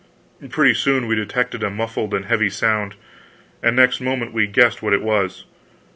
Pretty soon we detected a muffled and heavy sound, and next moment we guessed what it was.